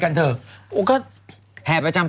คุณชอบไปหรอ